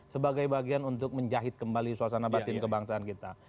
sebagai bagian untuk menjahit kembali suasana batin kebangsaan kita